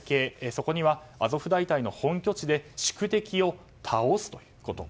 そこにはアゾフ大隊の本拠地で宿敵を倒すということ。